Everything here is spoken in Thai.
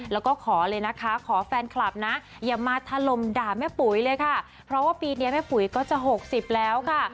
แล้วก็ขอเลยนะคะขอแฟนคลับนะอย่ามาถล่มด่าแม่ปุ๋ยเลยค่ะเพราะว่าปีนี้แม่ปุ๋ยก็จะ๖๐แล้วค่ะ